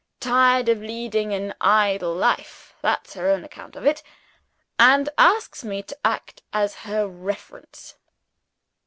Tired of leading an idle life that's her own account of it and asks me to act as her reference."